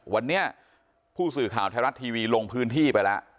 วันนี้ผู้สื่อข่าวไทยรัฐทีวีลงพื้นที่ไปแล้ว